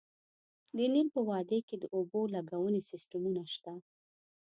د نیل په وادۍ کې د اوبو لګونې سیستمونه شته